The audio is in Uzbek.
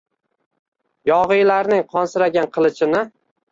Yogʼiylarning qonsiragan qilichini…